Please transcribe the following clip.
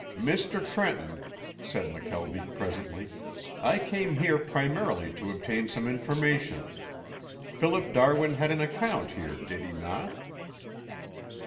"Mr. Trenton," said McKelvie presently, "I came here primarily to obtain some information. Philip Darwin had an account here, did he not?"